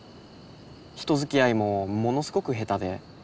人づきあいもものすごく下手で。